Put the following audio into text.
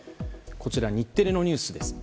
日テレのニュースです。